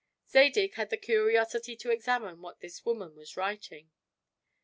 Zadig had the curiosity to examine what this woman was writing.